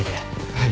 はい。